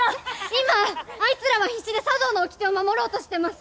今アイツらは必死で茶道のおきてを守ろうとしてます！